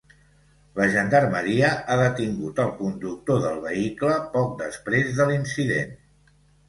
La gendarmeria ha detingut el conductor del vehicle poc després de l’incident.